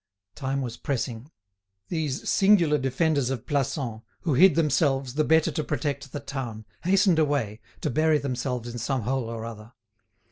Time was pressing. These singular defenders of Plassans, who hid themselves the better to protect the town, hastened away, to bury themselves in some hole or other.